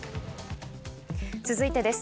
続いてです。